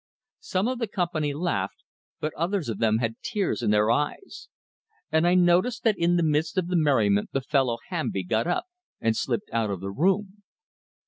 Some of the company laughed, but others of them had tears in their eyes; and I noticed that in the midst of the merriment the fellow Hamby got up and slipped out of the room.